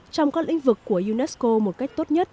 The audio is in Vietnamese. trong các lĩnh vực của unesco một cách tốt nhất